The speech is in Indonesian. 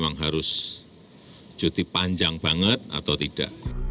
memang harus cuti panjang banget atau tidak